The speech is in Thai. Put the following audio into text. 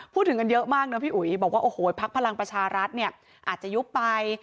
พูดถึงกันเยอะมากนะพี่อุ๋ยบอกว่าโอ้โหพักพลังประชารัฐเนี่ยอาจจะยุบไป